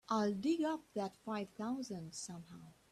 I'll dig up that five thousand somehow.